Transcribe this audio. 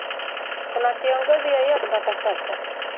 kuna kiongozi yeyote mpaka sasa